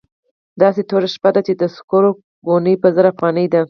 داسې توره شپه ده چې د سکرو ګونۍ په زر افغانۍ ده.